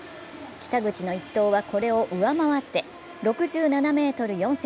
北口の１投はこれを上回って６７ｍ０４。